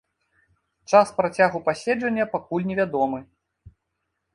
Час працягу паседжання пакуль невядомы.